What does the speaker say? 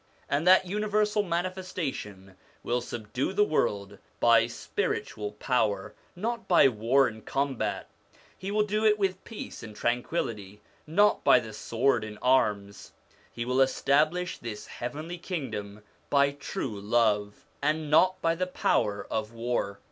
And that universal Manifestation will subdue the world by spiritual power, not by war and combat ; he will do it with peace and tranquillity, not by the sword and arms; he will establish this Heavenly Kingdom by true love, and not by the power of war.